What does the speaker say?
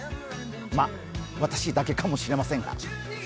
まあ、私だけかもしれませんが。